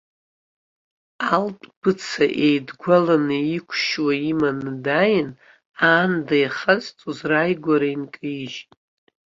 Алтә быца еидгәаланы, иқәшьуа иманы дааин, аанда иахазҵоз рааигәара инкаижьит.